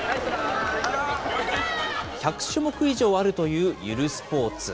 １００種目以上あるというゆるスポーツ。